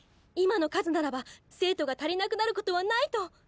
今の数ならば生徒が足りなくなることはないと！